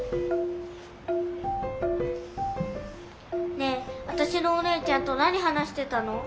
ねえわたしのお姉ちゃんと何話してたの？